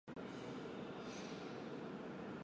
肾形逍遥蛛为逍遥蛛科逍遥蛛属的动物。